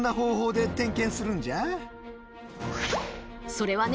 それはね